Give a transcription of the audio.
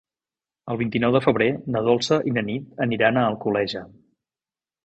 El vint-i-nou de febrer na Dolça i na Nit aniran a Alcoleja.